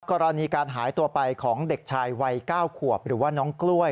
กรณีการหายตัวไปของเด็กชายวัย๙ขวบหรือว่าน้องกล้วย